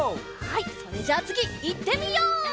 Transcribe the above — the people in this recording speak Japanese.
はいそれじゃあつぎいってみよう！